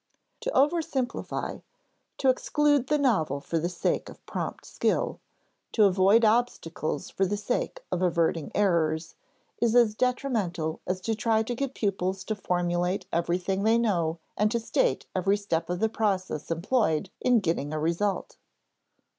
To over simplify, to exclude the novel for the sake of prompt skill, to avoid obstacles for the sake of averting errors, is as detrimental as to try to get pupils to formulate everything they know and to state every step of the process employed in getting a result.